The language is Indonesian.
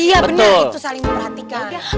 iya benar itu saling memperhatikan